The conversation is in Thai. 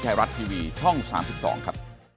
ไทยรัฐทีวีช่อง๓๒ครับ